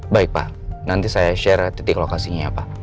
baik pak nanti saya share titik lokasinya apa